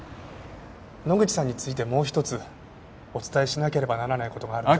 野口さんについてもう一つお伝えしなければならない事があるんです。